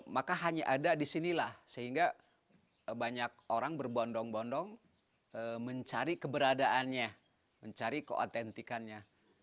maka hanya ada di sinilah sehingga banyak orang berbondong bondong mencari keberadaannya mencari keautentikannya